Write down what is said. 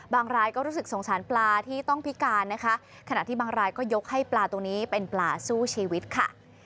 รายก็รู้สึกสงสารปลาที่ต้องพิการนะคะขณะที่บางรายก็ยกให้ปลาตัวนี้เป็นปลาสู้ชีวิตค่ะ